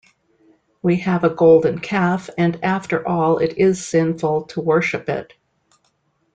We have a golden calf and after all it is sinful to worship it.